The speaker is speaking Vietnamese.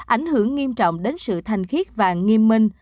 ảnh hưởng nghiêm trọng đến sự thành khiết và nghiêm minh